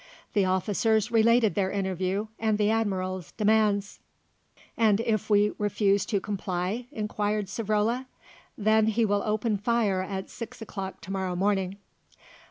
The officers related their interview and the Admiral's demands. "And if we refuse to comply?" inquired Savrola. "Then he will open fire at six o'clock to morrow morning."